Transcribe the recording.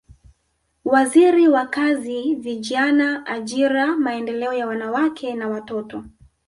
Waziri wa Kazi Vijana Ajira Maendeleo ya Wanawake na Watoto